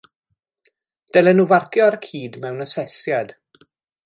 Dylen nhw farcio ar y cyd mewn asesiad